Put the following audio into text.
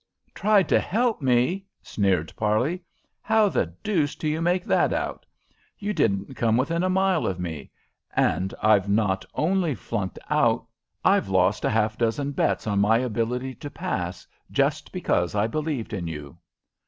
"Tried to help me?" sneered Parley. "How the deuce do you make that out? You didn't come within a mile of me, and I've not only flunked, but I've lost a half dozen bets on my ability to pass, just because I believed in you."